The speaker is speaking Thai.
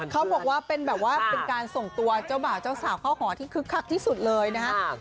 เขาบอกว่าเป็นแบบว่าเป็นการส่งตัวเจ้าบ่าวเจ้าสาวเข้าหอที่คึกคักที่สุดเลยนะครับ